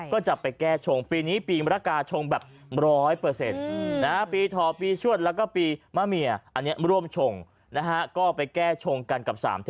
ก็จะไปแก้ชงปีนี้ปีมรกาชงแบบร้อยเปอร์เซ็นต์